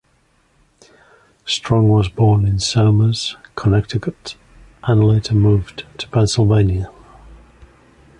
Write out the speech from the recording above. Strong was born in Somers, Connecticut and later moved to Pennsylvania.